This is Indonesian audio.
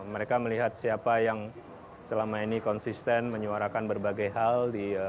mereka melihat siapa yang selama ini konsisten menyuarakan berbagai hal